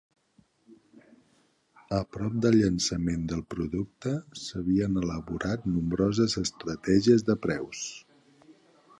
A prop del llançament del producte, s'havien elaborat nombroses estratègies de preus.